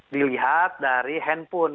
dilihat dari handphone